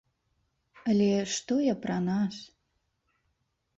Але што я пра нас?